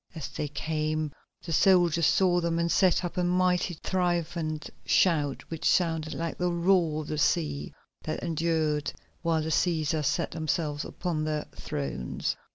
As they came the soldiers saw them and set up a mighty triumphant shout which sounded like the roar of the sea, that endured while the Cæsars sat themselves upon their thrones.